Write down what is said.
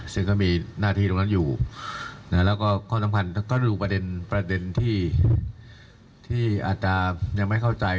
ซึ่งก็มีหน้าที่ตรงนั้นอยู่แล้วก็ข้อสำคัญก็ดูประเด็นที่อาจจะยังไม่เข้าใจ